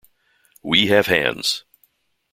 We have hands.